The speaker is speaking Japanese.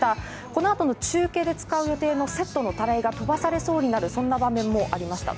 このあとの中継で使う予定のセットのたらいがとばされそうになるそんな場面もありました。